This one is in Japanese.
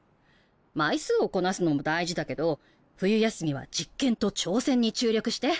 枚数をこなすのも大事だけど冬休みは実験と挑戦に注力して。